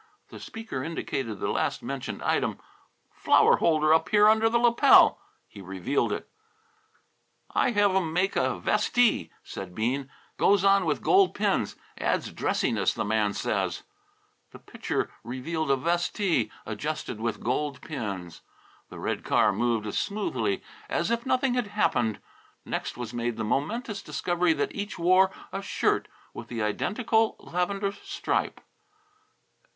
The speaker indicated the last mentioned item. "Flower holder up here under the lapel." He revealed it. "I have 'em make a vestee," said Bean; "goes on with gold pins; adds dressiness, the man says." The Pitcher revealed a vestee, adjusted with gold pins. The red car moved as smoothly as if nothing had happened. Next was made the momentous discovery that each wore a shirt with the identical lavender stripe.